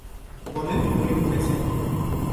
বলে উল্লেখ করেছে।